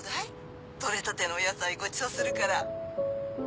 取れたてのお野菜ごちそうするから。